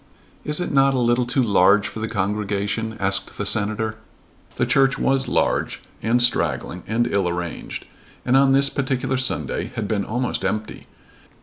"Is it not a little too large for the congregation?" asked the Senator. The church was large and straggling and ill arranged, and on this particular Sunday had been almost empty.